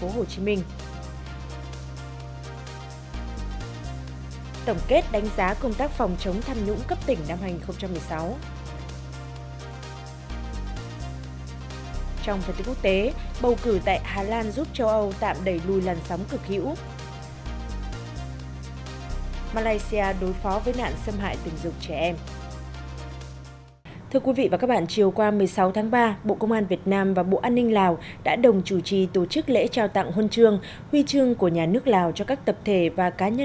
hãy đăng kí cho kênh lalaschool để không bỏ lỡ những video hấp dẫn